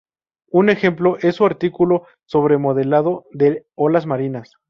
Un ejemplo es su artículo sobre modelado de olas marinas.